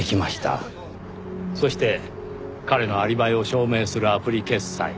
そして彼のアリバイを証明するアプリ決済。